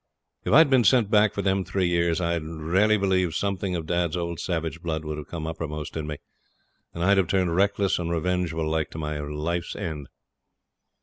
If I'd been sent back for them three years, I do r'aly believe something of dad's old savage blood would have come uppermost in me, and I'd have turned reckless and revengeful like to my life's end.